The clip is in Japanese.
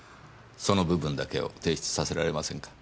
その部分だけを提出させられませんか？